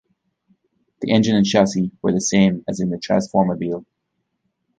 The engine and chassis were the same as in the Trasformabile.